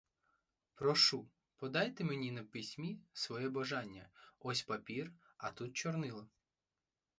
Прошу подайте мені на письмі своє бажання, ось папір, а тут чорнило.